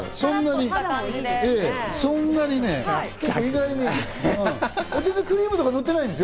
そんなにね、全然クリームとか塗ってないんですよ。